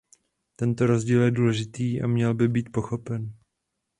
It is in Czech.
Tento rozdíl je důležitý a měl by být pochopen.